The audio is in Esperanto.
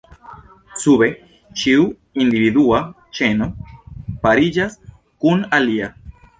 Sube, ĉiu individua ĉeno pariĝas kun alia.